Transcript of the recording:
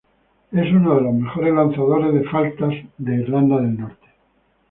Es uno de los mejores lanzadores de faltas de Irlanda del Norte.